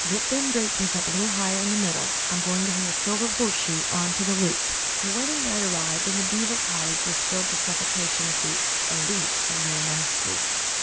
Get them draperies up a little higher in the middle; I'm going to hang a silver horseshoe on to the loop." The wedding night arrived, and the Beaver cottage was filled to suffocation with the élite of Rear Ninth Street.